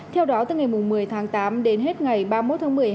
theo đó từ ngày một mươi tháng tám đến hết ngày ba mươi một tháng một mươi hai